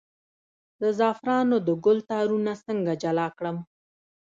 د زعفرانو د ګل تارونه څنګه جلا کړم؟